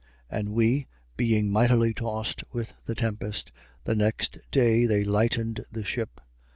27:18. And we, being mightily tossed with the tempest, the next day they lightened the ship.